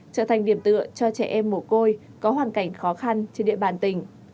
trở thành điểm tựa cho trẻ em mồ côi có hoàn cảnh khó khăn trên địa bàn tỉnh